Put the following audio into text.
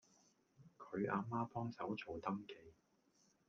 佢阿媽幫手做登記